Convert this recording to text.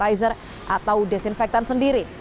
hand sanitizer atau desinfektan sendiri